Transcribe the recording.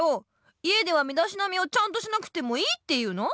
家ではみだしなみをちゃんとしなくてもいいっていうの？